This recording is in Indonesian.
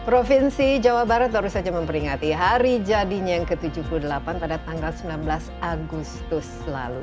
provinsi jawa barat baru saja memperingati hari jadinya yang ke tujuh puluh delapan pada tanggal sembilan belas agustus lalu